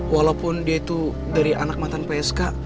walaupun dia itu dari anak mantan psk